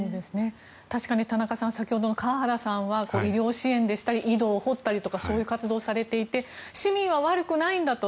確かに田中さん先ほどの川原さんは医療支援でしたり井戸を掘ったりそういう活動をされていて市民は悪くないんだと。